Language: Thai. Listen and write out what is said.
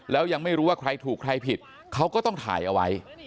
แล้วยังไม่รู้ว่าใครถูกใครผิดเขาก็ต้องถ่ายเอาไว้